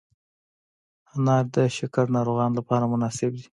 انار د شکر ناروغانو لپاره مناسب دی.